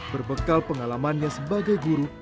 berbekal pengalamannya sebagai guru